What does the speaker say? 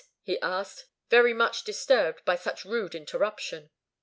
he asked, very much disturbed by such rude interruption.